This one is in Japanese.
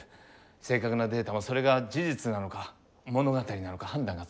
正確なデータもそれが事実なのか物語なのか判断がつかない。